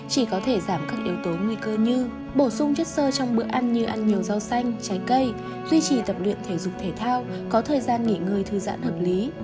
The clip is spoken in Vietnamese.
chỉ có thể giảm các yếu tố nguy cơ như bổ sung chất sơ trong bữa ăn như ăn nhiều rau xanh trái cây duy trì tập luyện thể dục thể thao có thời gian nghỉ ngơi thư giãn hợp lý